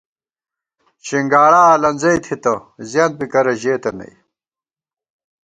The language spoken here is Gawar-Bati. شِنگاڑا الَنزَئی تھِتہ ، زِیَنت بی کرہ ژېتہ نئ